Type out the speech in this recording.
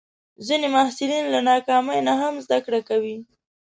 ځینې محصلین له ناکامۍ نه هم زده کړه کوي.